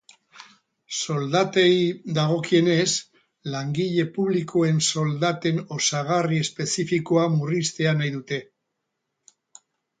Soldatei dagokienez, langile publikoen soldaten osagarri espezifikoa murriztea nahi dute.